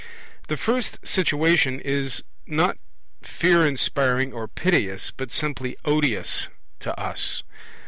The first situation is not fear inspiring or piteous, but simply odious to us.